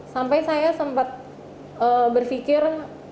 sampai saya sempat berfikir